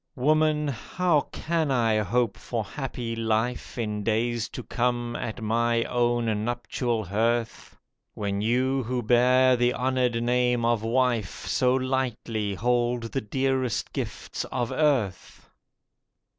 Woman, how can I hope for happy life In days to come at my own nuptial hearth, When you who bear the honoured name of wife So lightly hold the dearest gifts of earth?